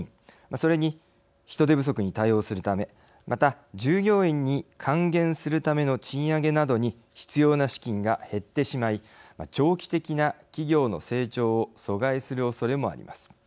それに人手不足に対応するためまた、従業員に還元するための賃上げなどに必要な資金が減ってしまい長期的な企業の成長を阻害するおそれもあります。